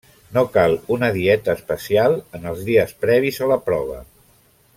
No cal una dieta especial en els dies previs a la prova.